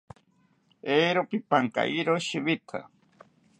Eero pipankayiro shiwita